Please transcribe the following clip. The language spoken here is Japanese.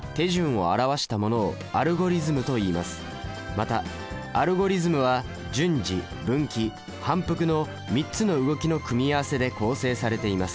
またアルゴリズムは「順次」「分岐」「反復」の３つの動きの組み合わせで構成されています。